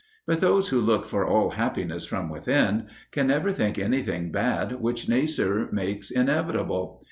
But those who look for all happiness from within can never think anything bad which nature makes inevitable.